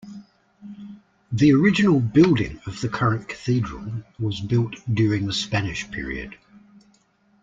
The original building of the current cathedral was built during the Spanish period.